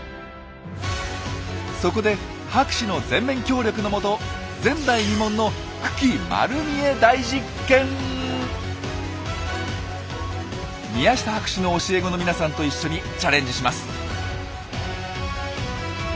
そこで博士の全面協力のもと前代未聞の宮下博士の教え子の皆さんと一緒にチャレンジします。